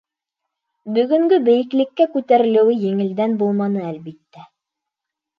Бөгөнгө бейеклеккә күтәрелеүе еңелдән булманы, әлбиттә.